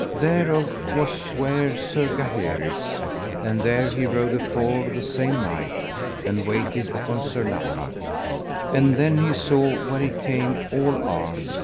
Thereof was ware Sir Gaheris, and there he rode afore the same night, and waited upon Sir Lamorak, and then he saw where he came all armed.